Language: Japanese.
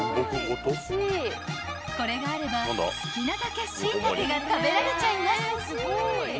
［これがあれば好きなだけシイタケが食べられちゃいます］